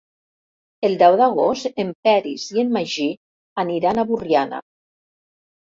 El deu d'agost en Peris i en Magí aniran a Borriana.